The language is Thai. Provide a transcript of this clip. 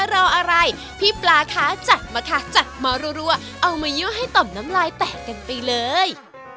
รออะไรพี่ปลาคะจัดมาค่ะจัดมารัวเอามายั่วให้ต่อมน้ำลายแตกกันไปเลย